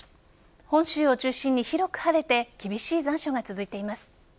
本州を中心に広く晴れて厳しい残暑が続いています。